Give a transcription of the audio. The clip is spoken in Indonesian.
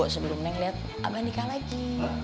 sebelum neng lihat abang nikah lagi